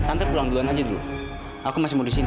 tante pulang duluan aja dulu aku masih mau disini